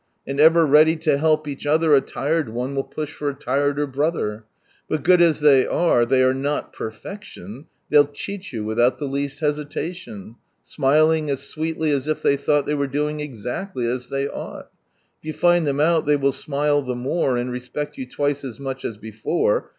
And ever ready lo help each other, A lired one will push (or a llreder brolher. But good as they are, ihey arc nol perfecliDn, They'll cheat you wilhoul the least hcsilalioii, S'niling as sweetly as if they thoDghl , They were doing exactly as Ihef ouglil. If you find them out, they will smile ihe more. And respect you twice as much as bel»rc.